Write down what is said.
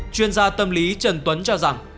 chuyên gia tâm lý trần tuấn cho rằng